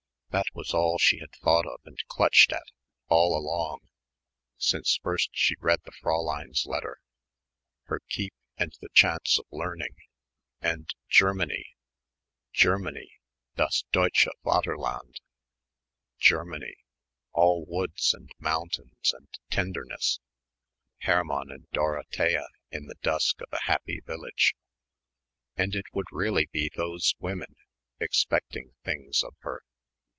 That was all she had thought of and clutched at all along, since first she read the Fräulein's letter. Her keep and the chance of learning ... and Germany Germany, das deutsche Vaterland Germany, all woods and mountains and tenderness Hermann and Dorothea in the dusk of a happy village. And it would really be those women, expecting things of her.